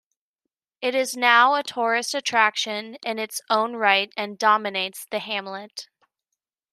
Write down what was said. It is now a tourist attraction in its own right and dominates the hamlet.